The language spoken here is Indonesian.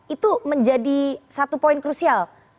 itu menjadi satu poin krusial